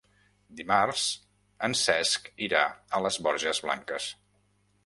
Dimarts en Cesc irà a les Borges Blanques.